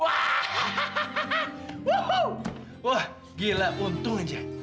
wah hahaha wah wah gila untung aja